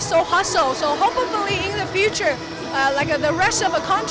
semua orang memiliki kecepatan cepat